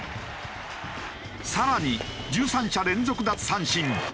更に１３者連続奪三振。